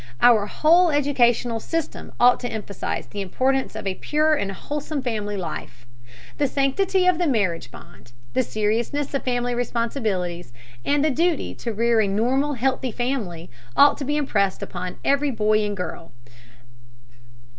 Our whole educational system ought to emphasize the importance of a pure and wholesome family life. The sanctity of the marriage bond, the seriousness of family responsibilities, and the duty to rear a normal healthy family, ought to be impressed upon every boy and girl.